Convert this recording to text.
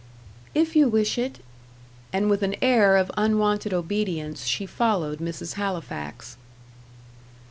"If you wish it." And with an air of unwonted obedience, she followed Mrs. Halifax.